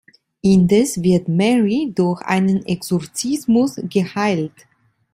Indes wird Mary durch einen Exorzismus geheilt.